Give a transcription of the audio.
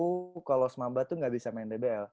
tahu kalau semaba tuh gak bisa main dbl